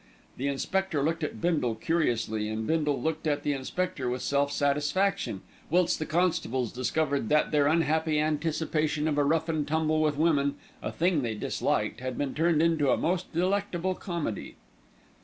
The inspector looked at Bindle curiously, and Bindle looked at the inspector with self satisfaction, whilst the constables discovered that their unhappy anticipation of a rough and tumble with women, a thing they disliked, had been turned into a most delectable comedy.